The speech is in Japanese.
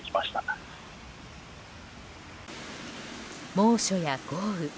猛暑や豪雨。